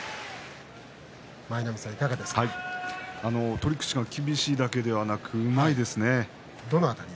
取り口が厳しいだけでなくうまいですね。